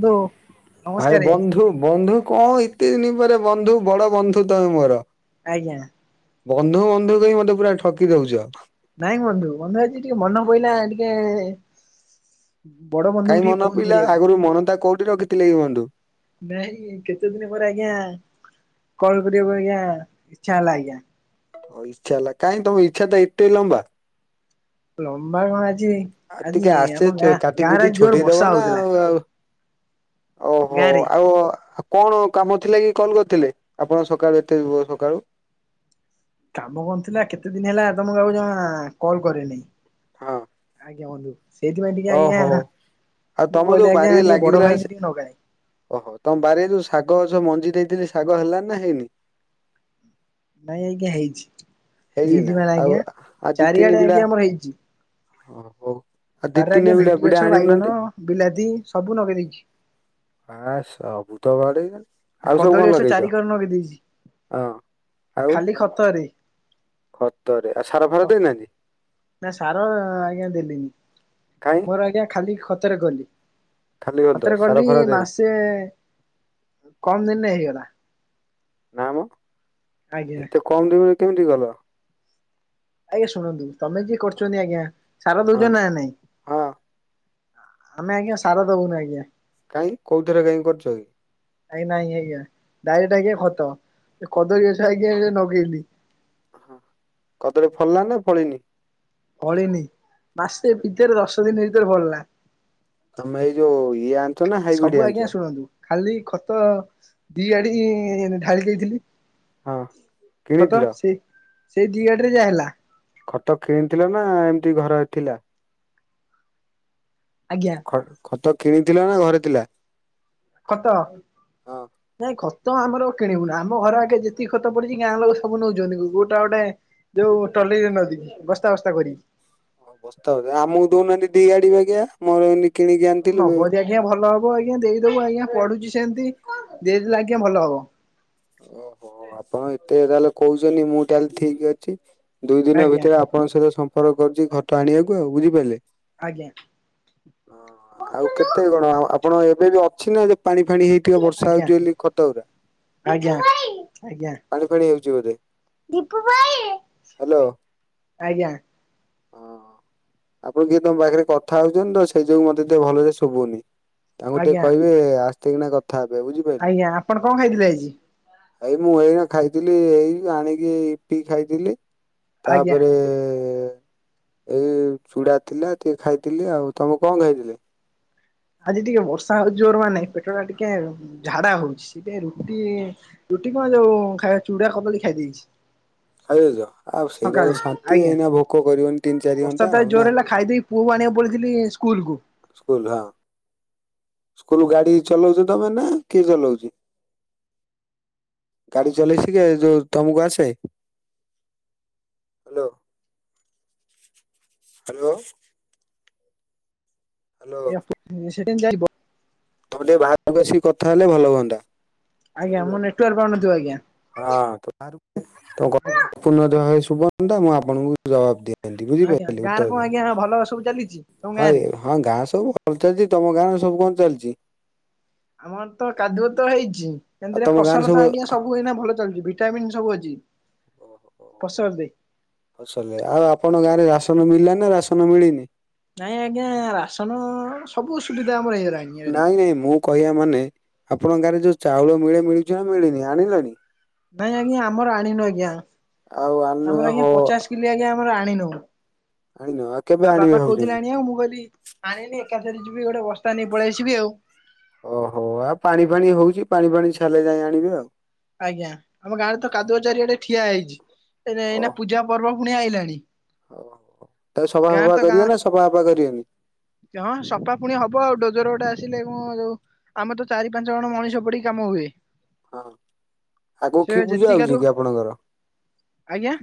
ବନ୍ଧୁ ଭାଇ ନମସ୍କାରେ ବନ୍ଧୁ ବନ୍ଧୁ କଣ ତିନି ପରେ ବନ୍ଧୁ ବଡ ବନ୍ଧୁ ତମେ ମୋର ଆଜ୍ଞା। ବନ୍ଧୁ ବନ୍ଧୁ କହି ମତେ ପୁରା ଠକି ଦୋଉଚ? ନାଇଁ ବନ୍ଧୁ ବନ୍ଧୁ ଆଜି ଟିକେ ମନ ପଇଲା ଟିକେ ବଡ ବନ୍ଧୁକୁ କାଇଁ ଟିକେ ମନ ଫୋନ ପଇଲା କରିବାକୁ। ଆଗରୁ ମନ ତା କୋଉଠି ରଖିଥିଲେ କି ବନ୍ଧୁ? ନାଇଁ କେତେ ଦିନ ପରେ ଆଜ୍ଞା କଲ କରିବାକୁ ଆଜ୍ଞା ଇଚ୍ଛା ହେଲା ଆଜ୍ଞା। ଆଉ ଇଛା ହେଲା କାଇଁ ତମ ଇଛା ଟା ଏତେ ଲମ୍ବା। ଲମ୍ବା [unintelligible] ଆଉ ଆଜି ଟିକେ ଆମ ଆସେ ଗାଁ କାଟି ଗାଁରେ କୁଟି ଆଜି ଜୋର ବର୍ଷା ଛିଟେଇଦବ ନା ହଉଥିଲା ଆଉ ଆଉ। ଓହୋ ଗାଁରେ। ଆଉ। କଣ କାମ ଥିଲା କି କଲ କରିଥିଲେ, ଆପଣ ସକାଳୁ ଏତେ ସକାଳୁ? କାମ କଣଥିଲା କେତେ ଦିନ ହେଲା ତମକୁ ଆଉ ଜମା କଲ୍ କରିନି। ହଁ। ଆଜ୍ଞା ବନ୍ଧୁ ସେଇଥିପାଇଁ ଟିକେ ଓହୋ ଆଜ୍ଞା ଆଉ ମୁଁ ତମ ଯୋଉ କହିଲି ଆଜ୍ଞା ବାରିରେ ଟିକେ ବଡ ଲାଗିଥିଲା ଭାଇ ସେ ଟିକେ ନଗାଏ। ଓହୋ ତମ ବାରରେ ଯୋଉ ଶାଗ ଗଛ ମଞ୍ଜି ଦେଇଥିଲି ଶାଗ ହେଲାନି ନା ହେଇନି? ନାଇଁ ଆଜ୍ଞା ହେଇଛି ହେଇଚି ହେଇଛି ନା ମାନେ ଆଉ ଆଜ୍ଞା ଆଉ ଦି ତିନି ଚାରିଆଡେ ବିିଲା ଆଜ୍ଞା ଆମର ହେଇଛି ହଁ ହଉ। ବାରିରେ ଆଜ୍ଞା ଭେଣ୍ଡି ବିଡା ଗଛ ବାଇଗଣ ଆଣିବୁନାହାନ୍ତି ବିଲାତି ସବୁ ନଗେଇଦେଇଛି। ଆ ସ ସବୁ ତ ବାଡ଼େ ଆଉ ସବୁ କଦଳୀ କଣ ଗଛ ଚାରି ଲଗେଇଛ କର ଲଗେଇ ଦେଇଛି ହଁ ଆଉ। ଖାଲି ଖତରେ? ଖତରେ ଆଉ ସାରା ଫାରା ଦେଇନାହାନ୍ତି? ନା ସାର ଆଜ୍ଞା ଦେଲିନି। କାଇଁ। ମୋର ଆଜ୍ଞା ଖାଲି ଖତରେ କଲି ଖାଲି ଖତ ଖତରେ ସାର କଲି ଫାର ଦେଇନି ମାସେ କମ ଦିନରେ ହେଇଗଲା। ନା ମ ଆଜ୍ଞା। ଏତେ କମ ଦିନରେ କେମିତି କଲ? ଆଜ୍ଞା ଶୁଣନ୍ତୁ ତମେ ଯିଏ କରୁଛନ୍ତି ଆଜ୍ଞା ସାରା ହଁ ଦଉଛ ନା ନାଇଁ? ହଁ ଆମେ ଆଜ୍ଞା ସାର ଦବନୁ ଆଜ୍ଞା। କାଇଁକି କଉଥରେ କାଇ କରୁଛ। ଆଜ୍ଞା ନାଇଁ ଆଜ୍ଞା ଡାଇରେକ୍ଟ ଆଜ୍ଞା ଖତ କଦଳୀ ଗଛ ଆଜ୍ଞା ନଗେଇଲି। ହ କହଲଳୀ ଫଳିଲା ନା ଫଳିନି? ଫଳିନି ମାସେ ଭିତରେ ଦଶ ଦିନ ଭିତରେ ଫଳିଲା। ତମେ ଏଇ ଯୋଉ ଇଏ ଅଣିଛ ନା ସବୁ ହାଇବ୍ରିଡି ଆଜ୍ଞା ଅଣିଚ? ଶୁଣନ୍ତୁ ଖାଲି ଖତ ଦି ଆଡି ଢାଳି ଦେଇଥିଲି। ହଁ ଖତ କିଣିଥିଲ ସେଇ ସେଇ ଦିଗାଡିରେ ଯାହା ହେଲା। ଖଟ କିଣିଥିଲ ନା ଏମିତି ଘର ଥିଲା। ଆଜ୍ଞା। ଖତ କିଣିଥିଲା ନା ଘରେ ଥିଲା? ଖତ। ହଁ ନାଇଁ ଖତ ଆମର କିଣିବୁନୁ ଆମ ଘର ଆଗେ ଯେତିକି ଖତ ପଡିଚି ଗାଁ ଲୋକ ସବୁ ନେଉଛନ୍ତି ଗୋଟା ଗୋଟେ ଯୋଉ ଟଲିରେ ନଦିକି ବସ୍ତାବସ୍ତା କରିକି ହଁ ବସ୍ତା ଗୁରା ଆମକୁ ଦଉନାହାନ୍ତି ଦି ଗାଡି ବାଗିଆ ମୋର ଏମିତି କିଣିକି ଆଣିଥିଲୁ ନବଜଦି ଆଜ୍ଞା ଭଲ ହବ ଆଜ୍ଞା ଦେଇଦବୁ ଆଜ୍ଞା ପଢୁଛି ସେମିତି ଦେଇଦେଲେ ଆଜ୍ଞା ଭଲ ହବ। ଓହୋ ଆପଣ ଏତେ ତାହେଲେ କହୁଛନ୍ତି ମୁଁ ତାହେଲେ ଠିକ ଅଛି ଦୁଇ ଦିନ ଆଜ୍ଞା ଭିତରେ ଆପଣଙ୍କ ସହିତ ସମ୍ପର୍କ କରୁଛି ଖତ ଆଣିବାକୁ ଆଉ ବୁଝିପାରିଲେ? ଆଜ୍ଞା ହଁ ଆଉ ଆଜ୍ଞା କେତେ କଣ ଆ ଆପଣ ଏବେ ବି ଅଛି ନା ଯେ ପାଣି ଫାଣି ହେଇଥିବ ବର୍ଷା ଆଜ୍ଞା ହଉଛି ବୋଲି ଖତ ଉରା। ଆଜ୍ଞା ଆଜ୍ଞା। ପାଣି ଫାଣି ହେଉଛି ବଧେ? ଦୀପୁ ଭାଇ ଆଜ୍ଞା। ହଁ। ଆପଣ କିଏ ତମ ପାଖରେ କଥା ହଉଛନ୍ତି ତ ସେଇ ଯୋଗୁ ମତେ ଟିକେ ଭଲରେ ଶୁଭୁନି। ତାଙ୍କୁ ଟିକେ ଆଜ୍ଞା କହିବେ ଆସ୍ତେ କିିନା କଥା ହେବେ ବୁଝିପା ଆଜ୍ଞା ଆପଣ କଣ ଖାଇଥିଲେ ଆଜି? ଏଇ ମୁଁ ଏଇନା ଖାଇଥିଲି ଏଇ ଆଣିକି ଇପି ଖାଇଥିଲି। ଆଜ୍ଞା। ତାପରେ ଏଇ ଚୁଡ଼ା ଥିଲା ଟିକେ ଖାଇଥିଲି ଆଉ ତମେ କଣ ଖାଇଥିଲେ? ଆଜି ଟିକେ ବର୍ଷା ହଉଛି ଜୋର ମାନେ ପେଟ ଟା ଟିକେ ଝାଡା ହଉଛି ସେଇଥିପାଇଁ ରୁଟି ରୁଟି କଣ ଯୋଉ ଖାଇବା ଚୁଡ଼ା କଦଳୀ ଖାଇ ଦେଇଛି। ଖାଇଛ ଦେଇଛ ଆଉ ସେଇଟା ସକାଳେ ତ ଶାନ୍ତି ଆଜ୍ଞା। ହେଇନା ଭୋକ କରିବନି ତିନି ଚାରି ଘଣ୍ଟା ଆଉ ନା। ମୁଁ ପୁଅ କୁ ଆଣିବାକୁ ପଳେଇଥିଲି ସ୍କୁଲ କୁ। ସ୍କୁଲରୁ ହଁ। ସ୍କୁଲ ଗାଡି ଚଲଉଚ ତମେ ନା କିଏ ଚଲାଉଚି? ଗାଡି ଚଲେଇସିକେ ଯୋଉ ତମକୁ ଆସେ? Hello hello. ହ୍ୟାଲୋ। ଏଇଆ ସେକେଣ୍ଡେ ଯାଇବ। ତମେ ଟିକେ ବାହାରକୁ ଆସିକି କଥା ହେଲେ ଭଲ ହୁଅନ୍ତା। ଆଜ୍ଞା ମୋ ବୁଝିପାରିଲେ ନେଟୱାର୍କ ପାଉନଥିବ ଆଜ୍ଞା। ହଁ ତ ତ କଥା ପୂଣତା ଭାବରେ ଶୁଭୂନିତ ମୁଁ ଆପଣଙ୍କୁ ଜବାବ ଦିଲି। ଏ ମିତି ବୁଝି ଆଜ୍ଞା ପାଇ ଗାଁରେ ଉତ୍ତର କଣ ଦେଲି ଆଜ୍ଞା ଭଲ ସବୁ ଚାଲିଛି ତମ ହଁ ଗାଁ ରେ? ଆଜ୍ଞା। ହଁ ଗାଁ ସବୁ ଭଲ ଚାଲିଚି ତମ ଗାଁରେ ସବୁ କଣ ଚାଲିଚି? ଆମର ତ କାଦୁଅ ତ ହେଇଛି। ଆଉ ଏମତିରେ ତମ ଗାଁରେ ଫସଲ ତ ଆଜ୍ଞା ସବୁ ଏଇନା ଭଲ ଚାଲିଛି ଭିଟାମିନ୍ ସବୁ ଅଛି ଫସଲରେ। ଫସଲ ଆଉ ଆପଣଙ୍କ ଗାଁରେ ରାସନ ମିଳିଲା ନା ରାସନ ମିଳିନି। ନାଇଁ ଆଜ୍ଞା ରାସନ ସବୁ ସୁବିଧା ଆମର ହେଇଗଲାଣି। ଏଆଡେ। ନାଇଁ ନାଇଁ ମୁଁ କହିବା ମାନେ ଆପଣଙ୍କ ଗାଁ ରେ ଯୋଉ ଚାଉଳ ମିଳେ ମିଳୁଛି ନା ମିଳିନି ଆଣିଲଣି? ନାଇଁ ଆଜ୍ଞା ଆମର ଆଣିନୁ ଆଜ୍ଞା। ଆଉ ଆଣିନୁ ଆମର ଆଜ୍ଞା ହୋ ପଚାଶ ଆଜ୍ଞା ଆମର ଆଣି ନଉ ଆଣିନ ଆଉ କେବେ ବା ଆଣିବେ ବାପା କହୁଥିଲେ ଭାବୁଛନ୍ତି? ଆଣିବାକୁ ମୁଁ କହିଲି ଆଣିନି ଏକାଥରେ ଯିବି ଗୋଟେ ବସ୍ତା ନେଇ ପଳେଇସିବି ଆଉ। ଓହୋ ଆଉ ପାଣି ଫାଣି ହଉଛି ପାଣି ଫାଣି ଛାଡିଲେ ଯାଇ ଆଣିବି ଆଉ। ଆଜ୍ଞା ଆମ ଗାଁରେ ତ କାଦୁଅ ଚାରିଆଡେ ଠିଆ ହେଇଛି ଏଇନା ପୂଜା ପର୍ବ ପୁଣି ଆଇଲାଣି। ତା ସଫା ଗାଁ ଫଫା ତ ଗାଁ କରିବ ନା ସଫା ଫଫା କରିବେନି। ହଁ ସଫା ପୁଣି ହବ ଆଉ ଡୋଜର ଗୋଟେ ଆସିଲେ ଏବଂ ଯୋଉ। ଆମେ ତ ଚାରି ପାଞ୍ଚ ଜଣ ମଣିଷ ପଡିକି କାମ ହୁଏ ହଁ ଆଗକୁ ସେ କି ପୂଜା ଯେତିକି ହଉଛି କାଦୁଅ କି ଆପଣଙ୍କର? ଆଜ୍ଞା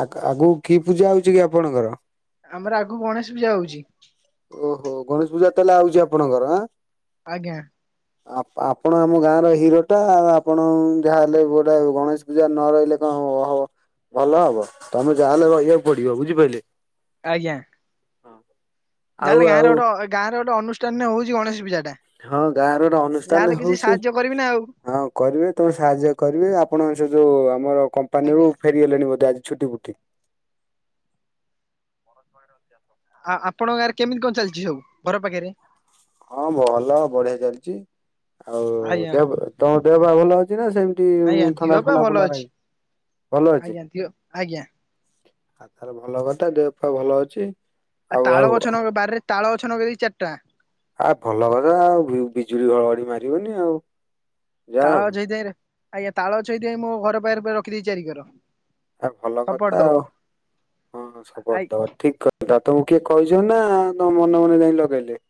ଆ ଆଗକୁ କି ପୂଜା ଆଉଛି କି ଆପଣଙ୍କର? ଆମର ଆଗକୁ ଗଣେଶ ପୂଜା ହଉଛି। ଓହୋ ଗଣେଶ ପୂଜା ତାହେଲେ ଆଉଛି ଆପଣଙ୍କର ହଁ। ଆଜ୍ଞା। ଆପଣ ଆମ ଗାଁ ର ହିରୋ। ଟା ଆପଣ ଯାହାହେଲେ ଗୋଟେ ଗଣେଶ ପୂଜା ନ ରହିଲେ କଣ ହ ହବ। ଭଲ ହବ ତମେ ଯାହାହେଲେ ରହିବାକୁ ପଡିବ ବୁଝିପାରିଲେ। ଆଜ୍ଞା। ହଁ ତାହଲେ ଗାଁ ଗୋଟେ ଗାଁରେ ଗୋଟ ଅନୁଷ୍ଠାନରେ ହଉଛି ଗଣେଶ ପୂଜା ଟା। ହଁ ଗାଁ ର ଗୋଟେ ଯାହାହେଲେ ଅନୁଷ୍ଠାନ କିଛି ହଉଛି। ସାହାଯ୍ୟ କରିବି ନା ଆଉ ହଁ କରିବେ ତମ ସାହାଯ୍ୟ କରିବେ ଆପଣ ସେ ଯୋଉ ଆମର କମ୍ପାନୀରୁୁ ଆଜ୍ଞା। ହେଲେଣି ବୋଧେ ଆଜି ଛୁଟି ବୁଟି। [inaudible] ଆଉ ଆପଣଙ୍କ ଗାଁରେ କେମିତି କଣ ଚାଲିଛି ସବୁ ଘର ପାଖରେ। ହଁ ଭଲ ବଢିଆ ଚାଲିଛି। ଆଉ ଆଜ୍ଞା ଦେହ ତମ ଦେହ ବା ଭଲ ଅଛି ନା? ସେମିତି ଆଜ୍ଞା ଦିହ ଥଣ୍ଡା, ପା ଥଣ୍ଡା, ଭଲ ଫଣ୍ଡା ଅଛି। ରହିଚି। ଆଜ୍ଞା ଦିଅ ଆଜ୍ଞା। ଭଲ କଥା ଦେହ ଫେହ ଭଲ ଅଛି? ଆଉ ତାଳ ଗଛ ନଗ ବାରିରେ ତାଳ ଗଛ ନଗେଇଦେଇଚି ଚାରଟା। ଆ ଭଲ କଥା ଆଉ ବିଜୁଳିଘଡିଏ ଘଡିଘଡି ମାରିବନି ଆଉ ଯାହା ତାଳ ହଉ ଛଇଥ ଆଜ୍ଞା ତାଳ ଛଇଥିାଇଁ ମୁୋ ଘର ପାଖ ରଖିଦେଇଛି ଚାରି କର। ଆ ଭଲ କଥା ଆଉ ହଁ ସପ ଆ ଦବା ଠିକ କ ତ ତମକୁ କିଏ କହିଛ ନା ତମ ଯାଇ ଲଗେଇଲେ।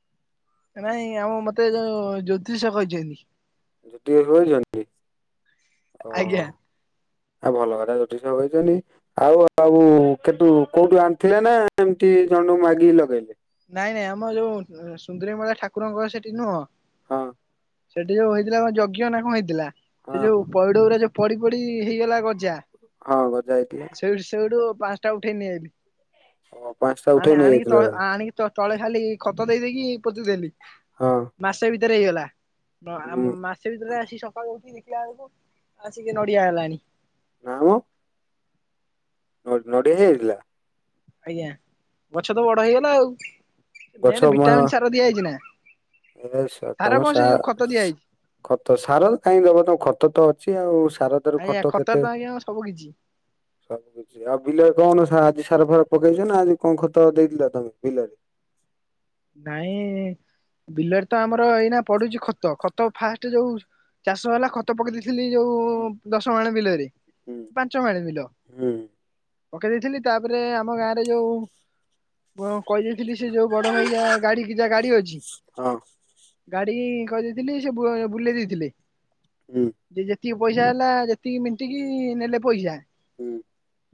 ନାଇଁ ଆମ ମତେ ଯୋଉ ଜ୍ୟୋତିଷ କହିଛନ୍ତି। ଯେତିକି ବଇଚନ୍ତି ଆଜ୍ଞା ଆଉ ଭଲ କଥା ଜଠ ସବ କହିଛନ୍ତି ଆଉ ଆଉ କେତୁ କୋଉଠୁ ଆଣିଥିଲା ନା ଏମତି ଜଣ୍ଡୁ ମାଗିକି ଲଗେଇଲେ। ନାଇଁ ନାଇଁ ଆମ ଯୋଉ ସୁନ୍ଦରୀମଳା ଠାକୁରଙ୍କର ସେଠି ନୁହଁ। ହଁ ସେଠି ଯୋଉ ହେଇଥିଲା କଣ ଯଜ୍ଞ ନା କଣ ହେଇଥିଲା ସେ ହଁ ଯୋଉ ହଁ ପଇଡ ଗୁଡା ଯୋଉ ପଡି ପଡି ହେଇଗଲା ଗଜା। ହଁ ଗଜା ହେଇଥି ସେଇଠି ସେଇଠୁ ପାଞ୍ଚଟା ଉଠେଇନ ଓ ପାଞ୍ଚଟା ଆ ଉଠେଇ ଆଣ ନେଇଯାଇଥିଲା ଆଣିକି ତାହେଲେ? ଆଣିକି ତଳେ ଖାଲି ଖତ ଦେଇ ଦେଇେଇକି ପୋତିଦଲି ହଁ ମାସେ ଭିତରେ ହେଇଗଲା ହୁଁ ମାସେ ଭିତରେ ଆସି ସକାଳୁ ଉଠି ଦେଖିଲା ବେଳକୁ ଆସି କି ନଡି ଆୟ ଲାଣି ନାଁ ନ ନୋଡି ହେଇିଲ ଆଜ୍ଞା ଗଛ ତ ବଡ ହେଇଗଲା ଆଉ ନ ଭିଟାମନ୍ ସାର ଦିଆହଇଛି ନା। ଏବେ ସାର ତମ କଣ ସେ ଯୋଉ ଖତ ଦିଆହେଇଛି ଖତ ସାର କାହିଁ ଦବ ତ ଖତ ତ ଅଛି ଆଉ ସାର ଦେର ଆଜ୍ଞା ଖତ ଖତରେ ତ କେତେ ଆଜ୍ଞା ସବୁ କିଛି ସବୁ ଆଉ ବିଲରେ କଣ ଆଜି ସାର ଫାର ପକେଇଛ ନା ଆଜି କଣ ଖତ ଦେଇଥିଲା ତମେ ବିଲ ରେ ନାଇଁ ବିଲରେ ତ ଆମର ଏଇନା ପଡୁଚଛି ଖତ ଖତ ଫାଷ୍ଟ ଯୋଉ ଚାଷ ହେଲା ଖତ ତ ପକେଇ ଦେଇେଇଥିଲି ଯୋଉ ଦଶ ମାଣ ବିଲରେ ହୁଁ ପାଞ୍ଚ ମାଣ ବିଲ ହୁଁ ପକେଇ ଦେଇେଇଥିଲି ତାପରେ ଆମ ଗାଁ ରେ ଯୋଉ କହିଦେଇଥିଲି ସେ ଯୋଉ ବଡ ଭାଇ ଗାଡି କେ ଯା ଗାଡି ଅଛି। ହଁ ଗାଡି କହିଦେଇଥିଲି ସେ ବୁଲେଇ ଦେଇଥିଲେ। ହୁଁ ଯେ ଯେତିକି ପଇସା ହେଲା ଯେତିକି ମଣ୍ଟିକି ନେଲେ ପଇସା। ହୁଁ।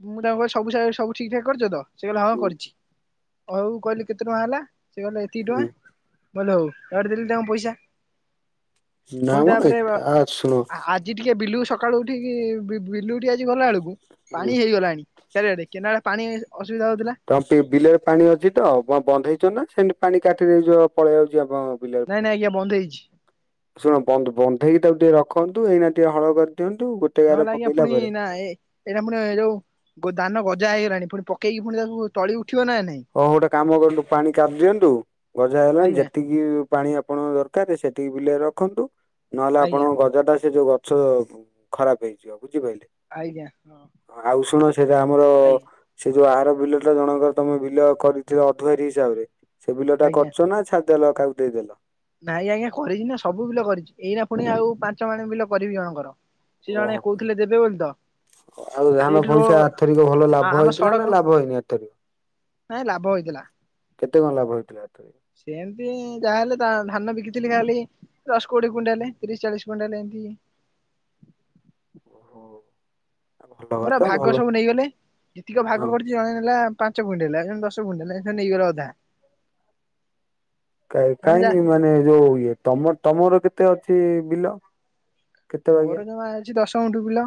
ମୁଁ ତାଙ୍କୁ କହିଲି ସବୁ ସବୁ ଠିକ ଠାକ୍ କରିଛ ତ ସେ କହିଲେ ହଁ ହୁଁ କରିଛି ଆଉ କହିଲେ କେତେ ଟଙ୍କା ହେଲା ସେ କହିଲ ଏତିକି ହୁଁ ଟଙ୍କା ବ ହଉଡେ ଦେଲେ ତାଙ୍କ ପଇସା ନା ପୁଣି ମ ତାପରେ ଏତେ ଶୁଣ ଆ ଆ ଟିକିେ ବିଲୁ ସକାଳୁ ଉଠିକି ବିଲୁ ଟିକି ଆଜି ଗଲା ବେଳକୁ ହୁଁ ପାଣି ହେଇଗଲାଣି ଚାରିଆଡେ କେନାଡେ ପାଣି ଅସୁବିଧା ହଉଥିଲା ତ ବିଲରେ ପାଣି ଅଛି ତ? ବନ୍ଦ ହେଇଛ ନା ସେମିତି ପାଣି କାଠିରେଛ ପଳେଇ ଯାଉଛି ଆପ ନାଇଁ ନାଇଁଜ୍ଞା ବନ୍ଦ ହେଇଛି ଶୁଣ ବ ବନ୍ଧେଇକି ତାକୁ ଟିକେ ରଖନ୍ତୁ ଏଇନା ଟିକେ ହଳ କରିଦିଅନ୍ତୁ ଗୋଟେ ଗାର ନହେ ଆଞା ପକେଇଲା ପୁଣି ପରେ ନା ଏ ଏଇଟା ପୁଣି ଏ ଯୋଉ ଦାନ ଗଜା ହେଇଗଲାଣି ପୁଣି ପକେଇକି ପୁଣି ତାକୁ ତଳି ଉଠିବ ନା ନାଇଁ ହଁ ଗୋଟେ କାମ କରୁ ପାଣି କାଟିିଦିଅନ୍ତୁ ଗଜା ହେଇଗଲାଣି ଆଜ୍ଞା ଯେତିକି ପାଣି ଆପଣଙ୍କ ଦରକାର ସେତିିକି ବିଲରେ ରଖନ୍ତୁ ନହେଲେ ଆଜ୍ଞା ଆପଣଙ୍କ ଗଜା ଟା ସେ ଯୋଉ ଗଛ ଖରାପ ହେଇଯିବ ବୁଝିପାରିଲେ ଆଜ୍ଞା ହଁ ଆଉ ଶୁଣ ସେଟା ଆମର ଆଜ୍ଞା ସେ ଯୋଉ ଆର ବିଲଟା ଜଣଙ୍କର ତମେ ବ ବିଲ କରିଥିଲ ଅଧଆାରୀ ହିସାବରେ ସେ ବିଲ ଟା ଆଜ୍ଞା କରୁଚ ନାଛଡ଼ିଦେଲ କାହାକୁ ଦେଇଦେଲ। ନାଇଁ ଆଜ୍ଞା କରିଛି ନା ସବୁ ବିଲ କରିଛି ଏଇ ନା ପୁଣି ଆଉ ପାଞ୍ଚ ମଣ ବିଲ କରିବି କଣଙ୍କର ସେ ଜଣ ଓହୋ କହୁଥିଲେ ଦେବେ ବୋଲି ତ ଆଉ ଧାନ ସେଇଠି ରୋ ପଇସା ଆର୍ଥରିକ ଭଲ ଲାଭ ଆମ ହେଇଥିଲା ସଡ଼କ ନା ଲାଭ ହେଇନି ଏଥରିକ ନାଇଁ ଲାଭ ହେଇଥିଲା କେତେ କଣ ଲାଭ ହେଇଥିଲା ହାତରେ? ସେମିତି ଯାହାହଲେ ଧାନ ବିକିଥିଲି ଖାଲି ଦଶ କୋଡିଏ କୁଣ୍ଣ୍ଡାଲେ ତିରିଶ ଚାଳିଶ କୁଣ୍ଣ୍ଡାଲେ ଏମିତି ଓ ହୋ। ମୋର ଭାଗ ସବୁ ନେଇଗଲେ। ଟିକ ହଁ ଭାଗ କରିୁଛି ଜଣେ ନେଲା ପାଞ୍ଚ ପୁଣ୍ଣ୍ଡ ହେଲା ଜଣେ ଦଶ ପୁଣ୍ଣ୍ଡ ହେଲା ସେ ନେଇଗଲା ଅଧା କାହିଁ ମାନେ ଯୋଉ ଇଏ ତମ ତମର କେତେ ଅଛି ବିଲ କେତେ ବାଗିଆ ମୋର ଜମା ଅଉଛି ଦଶ ଗଣ୍ଠି କିଲୋ।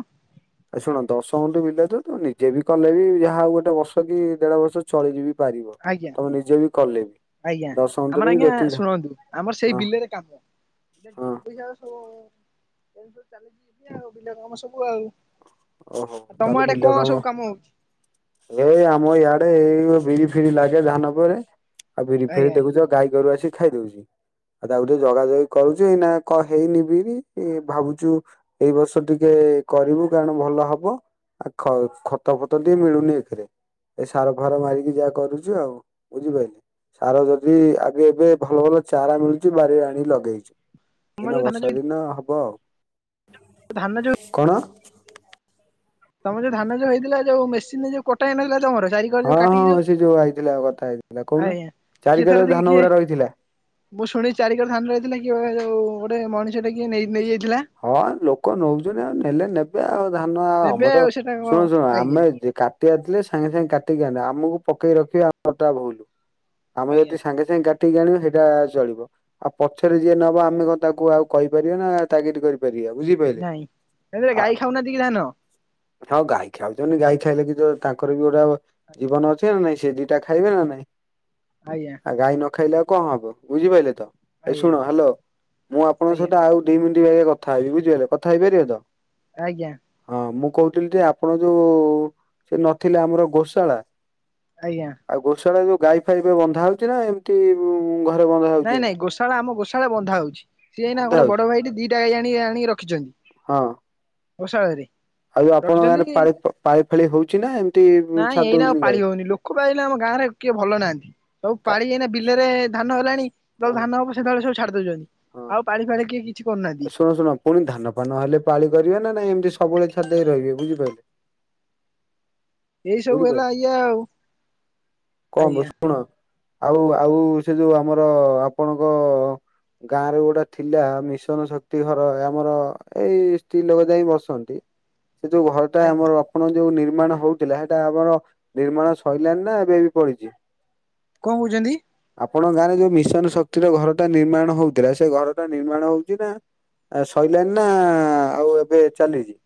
ଆ ଶୁଣ ଦଶ ହଣ୍ଡୁ ବିଲେ ତ ତୁ ନିଜେ ବି କଲେ ବି ଯାହାଉ ଗୋଟେ ବର୍ଷ କି ଦେଢ ବର୍ଷ ଚଳିଯିବି ପାରିବ ଆଜ୍ଞା ତମେ ନିଜେ ବି କଲେ ବି ଆଜ୍ଞା। ଦଶ ଆମର ଗୁଣ୍ଠୁରେ ବି ଆଜ୍ଞା ଯେତିକି ଧା ଶୁଣନ୍ତୁ ଆମର ସେଇ ହଁ ବିଲରେ କାମ ହଁ ପଇସା ସବୁ ଚାଲିଛି ଆଉ ବିଲ କାମ ସବୁ ଆଉ। ଓହୋ ତମ ତାହେଲେ ଆଡେ ବିଲ କଣ ସବୁ କାମ? ଏଇ ଆମ ଇଆଡେ ଏଇ ବିରି ଫିରି ଲାଗେ ଧାନ ପରେ। ଆଉ ବିରି ଆଜ୍ଞା ଫିରି, ଦେଖୁଛ ଗାଈ ଗୋରୁ ଆସି ଖାଇ ଦଉଛି। ଆଉ ତାକୁ ଟିକେ ଜଗା ଜଗି କରୁଛି। ଏଇନା ହେଇନି ବିରି, ଭାବୁଛୁ ଏଇ ବର୍ଷ ଟିକେ କରିବୁ। କଣ ଭଲ ହବ। ଆ ଖ- ଖତ ଫତ ଟିକେ ମିଳୁନି ଏକ୍ ରେ। ଏ ସାର ଫାର ମାରିକି ଯାହା କରୁଛୁ ଆଉ। ବୁଝିପାଇଲୁ? ସାର ଯଦି ଆବି ଏବେ ଭଲ ଭଲ ଚାରା ମିଳୁଛି ବାରିରେ ଆଣି ଲଗେଇଛୁ। ତମ ଏଇନା ଯୋଉ ଧାନ ବର୍ଷା ଯୋଉ ଦିନ ହବ ଆଉ। ଧାନ ଯୋଉ କଣ? ତମ ଯୋଉ ଧାନ ଯୋଉ ହେଇଥିଲା ଯୋଉ ମେସିନିରୂ, ଯୋଉ କଟା ହେଇ ନଥିଲା ତମର ବାରି କରି ଜୋଉ ହଁ କାଟିକି ଜୋଉ, ହଁ ସେ ଯୋଉ ଆଇଥିଲା କଥା ହେଇଥିଲା କହୁନ ଆଜ୍ଞା କିଏ ଚାରିିକର ଥରେ ଧାନ ଦେଇକି କିଏ ଗୁରା ରହିଥିଲା। ମୁଁ ଶୁଣି ଚାରିିକର ଧାନ ହେଇଥିଲା କି ଯୋଉ ଗୋଟେ ମଣିଷ ଟା କିଏ ନେଇ ନେଇଯାଇଥିଲା? ହଁ ଲୋକୋ ନୋଉଚନ୍ତି ଆଉ ନେଲେ ନେ ଏବେ ଆଉ ଧାନ ଆଉ ଆମ ନେବେ ତ ସେଟା କଣ ଶୁଣ ଶୁଣ, ଆଜ୍ଞା ଆମେ ଯେ କା କାଟିବାର ଥିଲେ, ସାଙ୍ଗେ ସାଙ୍ଗେ କାଟିକି ଆଣିଥାନ୍ତେ, ଆମକୁ ପକେଇ ରଖିବାଟା ଭୁଲ୍। ଆମେ ଆଜ୍ଞା ଯଦି ସାଙ୍ଗେ ସାଙ୍ଗେ ଯାଇଙ୍କି କାଟିକି ଆଣିବ ହେଇଟା ଚଳିବ। ଆଉ ପଛେରେ ଯିଏ ନବ ଆମେ କଣ ତାକୁ ଆଉ କହିପାରିବା ନା ତାଗିଦି କରିପାରିବା, ବୁଝିପାଇଲୁ। ନାଇଁ ସେଥିରେ ଆ ଗାଈ ଖାଉନାହାନ୍ତି କି ଧାନ? ଆଉ ଗାଈ ଖାଉଚନ୍ତି, ଗାଈ ଖାଇଲେ ବି ତ, ତାଙ୍କର ବି ଗୋଟେ ଆଜ୍ଞା ଜୀବନ ଅଛି ନା ନାଇଁ ସେ ଜୀ ଇଟା ଖାଇବେ ନା ନାଇଁ? ଆଜ୍ଞା। ଆ ଗାଈ ନ ଖାଇଲେ ଆଉ କଣ ହବ? ବୁଝିପାରିଲେ ତ? ଏ ଆଜ୍ଞା ଶୁଣ ହାଲୋ ମୁଁ ଆପଣଙ୍କ ସହିତ ଆଉ ଦି ମିଣ୍ଟି ବାଗୀଆ କଥା ହେବି। ବୁଝିିପାରିଲେ, କଥା ହେଇପାରିବ ତ? ଆଜ୍ଞା। ହଁ ମୁଁ କହୁଥିଲି ଯେ ଆପଣ ଯୋଉ ସେ ନଥିଲେ ଆମର ଗୋଶାଳା ଆଜ୍ଞା। ଆଉ ଗୋଶାଳା ଯୋଉ ଗାଈ ଫାଇ ଏବେ ବନ୍ଧା ହଉଚି ନା ଏମ କି ଘରେ ବନ୍ଧା ହଉଛି ନାଇଁ ନାଇଁ, ଏଇନା? ଗୋଶାଳା ଆମ ଗୋଶାଳା ବନ୍ଧା ହୋଉଚି। ସିଏ ଏଇନା ବନ୍ଧା ଗୋଟେ ହଉଛି। ବଡ ଭାଇଟି ଦିଟା ଗାଈ ଆଣି ଆଣି ରଖିଛନ୍ତି। ହଁ। ଗୋସାଳରେ ଆଉ ଆପଣ ଗାଁରେ ପାଳି ପ ପାଳି ଫାଳି ହଉଛି ନା ଏମତି ଉଁ ଛାଡ଼ିଦଉଚନ୍ତି ଗାଈ? କୋ ପା ଏଇନା ଆମ ଗାଁରେ କିଏ ଭଲ ନାହାନ୍ତି। ସବୁ କା- ପାଳି ଏଇନା ବିଲରେ ଧାନ ହେଲାଣି। ହଁ ଯେତେବେଳେ ଧାନ ହବ ସେତେବେଳେ ସବୁ ଛାଡ଼ିଦଉଛନ୍ତି। ହଁ ଆଉ ପାଣି ଫାଣି କିଏ କି ଶୁଣ ଶୁଣ, ଫୁଣି ଧାନ ଫାନ ହେଲେ ପାଳି କରିବେ ନା ନାଇଁ, ଏମିତି ସବୁବେଳେ ହଦେଇ ଆଜ୍ଞା, ରହିବେ। ବୁଝିପାଇଲେ? ଏଇ ସବୁ ହେଲା ଇଏ ଆଉ ଆଜ୍ଞା [unintelligible] ଆଉ ଆଉ, ସେ ଯୋଉ ଆମର ଆପଣଙ୍କ ଗାଁରେ ଗୋଟେ ଥିଲା, ମିସ୍ ଜନ ଶକ୍ତି ଘର, ଆମର ଏଇ ସ୍ତ୍ରୀ ଲୋକ ଯାଇଁ ବସନ୍ତି। ସେ ଯୋଉ ଘର ଟା ଆଜ୍ଞା ଆମର ରପଣ ଯୋଉ ନିର୍ମାଣ ହୋଉଥିଲା, ସେଇଟା ଆମର ନିର୍ମାଣ ସଇଲାଣିି ନା ଏବେ ବି ପଡିଚି? କଣ କହୁଛନ୍ତି? ଆପଣ ଗାଁରେ ଯୋଉ ମିଶନ ଶକ୍ତିର ଘରଟା ନିର୍ମାଣ ହଉଥିଲା, ସେ ଘରଟା ନିର୍ମାଣ ହଉ ଚିନା? ଆଉ ସଇଲାଣି ନା ଆଉ ଏବେ ଚାଲିଚି?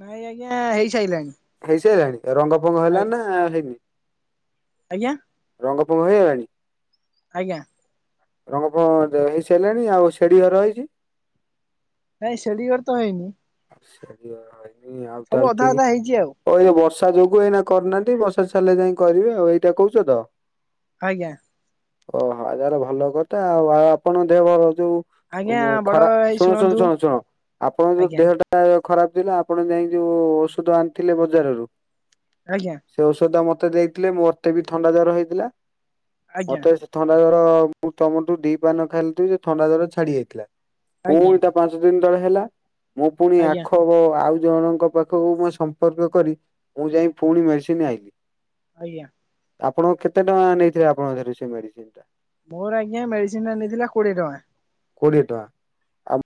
ନାଇଁ ଆଜ୍ଞା ହେଇସାଇଲାଣି। ହେଇସାଇଲାଣି? ରଙ୍ଗ ଫଙ୍ଗ ହେଲା ନା ହେଇନି? ଆଜ୍ଞା। ରଙ୍ଗ ଫଙ୍ଗ ହେଇଗଲାଣି? ଆଜ୍ଞା। ରଙ୍ଗ ଫଙ୍ଗ ତ ହେଇ ସାଇଲାଣି ଆଉ ସିଡି ଘର ହେଇଚି। ନାଇଁ ସେଲିଗଡ଼ ତ ହେଇନି। [unintelligible] ଆଉ [unintelligible] ସବୁ ଅଧା ଅଧା ହେଇଛି ଆଉ ହଉ ଏଇ ବର୍ଷା ଯୋଗୁ ଏଇନା କରିନାହାନ୍ତି। ବର୍ଷା ଛାଡ଼ିଲେଲେ ଯାଇ କରିବେ ଆଉ ଏଇଟା କହୁଛ ତ। ଆଜ୍ଞା। ଓ ହ ତାର ଭଲ କଥା ଆଉ ଆଉ ଆପଣ ଦେହର ଯୋଉ ଆଜ୍ଞା ବଡ ଖରା ଭାଇ ଶୁଣୁ ଶୁଣୁ ଶୁଣନ୍ତୁ ଶୁଣୁ ଶୁଣ ଆପଣ ଯ ଆଜ୍ଞା ଟା ଖରାପ ଥିଲା ଆପଣ ଯାଇଁ ଯୋଉ ଷୋଦୋ ଆଣଥିଲେ ବଜାରରୁ। ଆଜ୍ଞା। ସେ ଔଷଧ ମତେ ଦେଇଥିଲେ ମ ମତେ ବି ଥଣ୍ଡା ଜର ହେଇଥିଲା। ଆଜ୍ଞା ମତେ ଥଣ୍ଡା ଜର ମୁଁ ତମରଠୁ ଦି ପାନ ଖାଇଲିଥିଲୁ ଯେ ଥଣ୍ଡା ଜର ଛାଡି ଯାଇଥିଲା। ଆଜ୍ଞା। ପୁଣି ତା ପାଞ୍ଚ ଦିନ ତଳେ ହେଲା ମୁଁ ପୁଣି ଆଜ୍ଞା ଆଖ ଵ ଆଉ ଜଣଙ୍କ ପାଖକୁ ମୁଁ ସମ୍ପର୍କ କରି ମୁଁ ଯାଇ ପୁଣି ମେଡିସିନ ଆଇଲି। ଆଜ୍ଞା। ଆପଣ କେତେ ଟଙ୍କା ନେଇଥିଲେ ଆପଣଙ୍କରୁ ସେ ମେଡିସିନ ଟା। ମୋର ଆଜ୍ଞା ମେଡିସିନଟା ନେଇଥିଲା କୋଡିଏ ଟଙ୍କା। କୋଡ଼ିଏ ଟଙ୍କା। ଆଉ